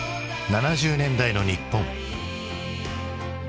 ７０年代の日本。